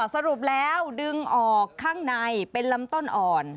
สรุปแล้วดึงออกข้างในเป็นลำต้นอ่อน